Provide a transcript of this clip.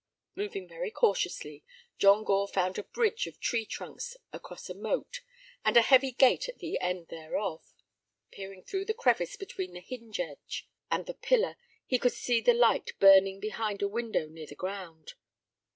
Moving very cautiously, John Gore found a bridge of tree trunks across a moat, and a heavy gate at the end thereof. Peering through the crevice between the hinge edge and the pillar, he could see the light burning behind a window near the ground.